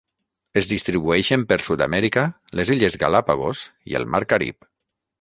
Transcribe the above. Es distribueixen per Sud-amèrica, les illes Galápagos i el mar Carib.